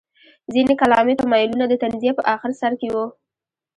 ځینې کلامي تمایلونه د تنزیه په اخر سر کې وو.